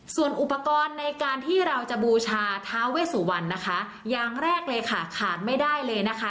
ส่วนอุปกรณ์ในการที่เราจะบูชาท้าเวสุวรรณนะคะอย่างแรกเลยค่ะขาดไม่ได้เลยนะคะ